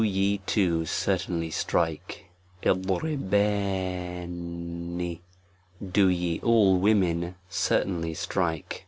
e two certainly strike, w ^fj^J do ye all (women) certainly strike.